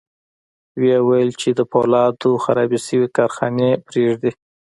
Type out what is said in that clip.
ويې ویل چې د پولادو خرابې شوې کارخانې پرېږدي